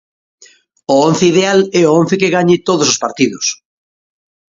O once ideal é o once que gañe todos os partidos.